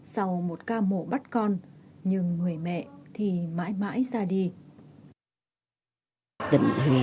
sau một ca mổ bắt con nhưng người mẹ thì mãi mãi ra đi